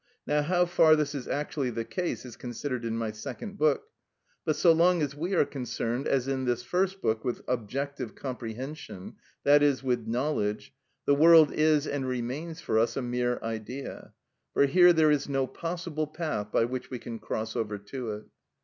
Now, how far this is actually the case is considered in my second book. But so long as we are concerned, as in this first book, with objective comprehension, that is, with knowledge, the world is, and remains for us, a mere idea, for here there is no possible path by which we can cross over to it.